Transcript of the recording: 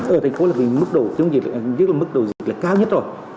ở thành phố là mức độ chống dịch mức độ dịch là cao nhất rồi